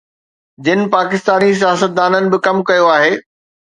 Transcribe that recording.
جن پاڪستاني سياستدانن به ڪم ڪيو آهي